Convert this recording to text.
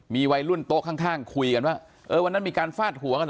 มีวัยรุ่นโต๊ะข้างคุยกันว่าเออวันนั้นมีการฟาดหัวกันเห